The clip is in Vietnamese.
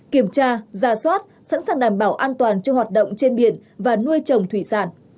kiểm tra ra soát sẵn sàng đảm bảo an toàn cho hoạt động trên biển và nuôi trồng thủy sản